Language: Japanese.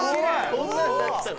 こんなになってたの？